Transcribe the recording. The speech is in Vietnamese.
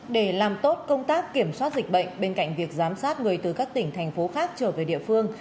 để làm tốt công tác kiểm soát dịch bệnh bên cạnh việc giám sát người từ các tỉnh thành phố khác trở về địa phương